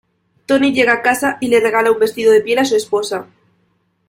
Tony llega a casa y le regala un vestido de piel a su esposa.